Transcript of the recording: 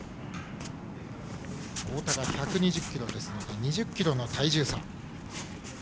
太田が１２０ｋｇですので２０ｋｇの体重差。